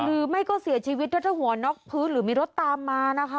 หรือไม่ก็เสียชีวิตแล้วถ้าหัวน็อกพื้นหรือมีรถตามมานะคะ